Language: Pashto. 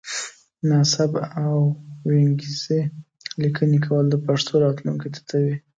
ناسم او وينگيزې ليکنې کول د پښتو راتلونکی تتوي